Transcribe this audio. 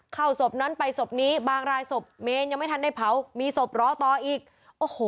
ศพนั้นไปศพนี้บางรายศพเมนยังไม่ทันได้เผามีศพร้อต่ออีกโอ้โห